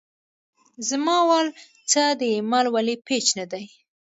زما وال څۀ د اېمل ولي پېج نۀ دے